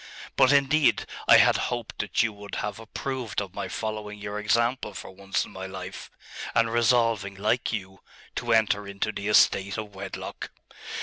But, indeed, I had hoped that you would have approved of my following your example for once in my life, and resolving, like you, to enter into the estate of wedlock.